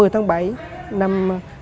ba mươi tháng bảy năm hai nghìn một mươi tám